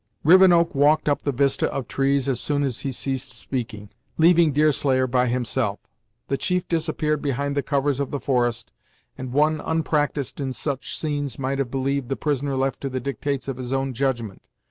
Rivenoak walked up the vista of trees as soon as he ceased speaking, leaving Deerslayer by himself. The chief disappeared behind the covers of the forest, and one unpractised in such scenes might have believed the prisoner left to the dictates of his own judgment.